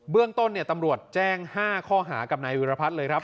เบื้องต้นเนี่ยตำรวจแจ้ง๕ข้อหากับนายวิรพัทเลยครับ